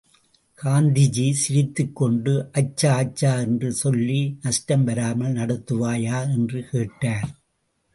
காந்திஜி சிரித்துக்கொண்டு அச்சா அச்சா என்று சொல்லி நஷ்டம் வராமல் நடத்துவாயா? என்று கேட்டார்.